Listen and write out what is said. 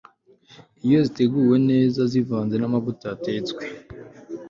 iyo ziteguwe neza zivanze namavuta yatetswe